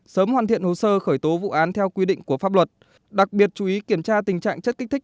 sớm hoàn thiện hồ sơ khởi tố vụ án theo quy định của pháp luật đặc biệt chú ý kiểm tra tình trạng chất kích thích